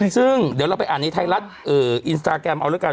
ซึ่งเดี๋ยวเราไปอ่านในไทยรัฐอินสตาแกรมเอาแล้วกัน